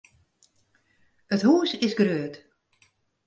It hús is grut.